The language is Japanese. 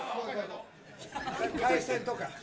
海鮮とか。